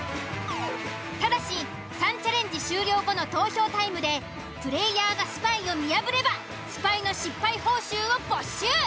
ただし３チャレンジ終了後の投票タイムでプレイヤーがスパイを見破ればスパイの失敗報酬を没収。